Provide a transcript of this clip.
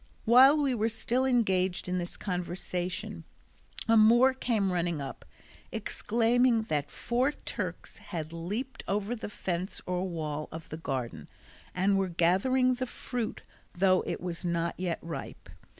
While we were still engaged in this conversation, a Moor came running up, exclaiming that four Turks had leaped over the fence or wall of the garden, and were gathering the fruit though it was not yet ripe.